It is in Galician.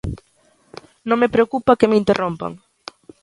Non me preocupa que me interrompan.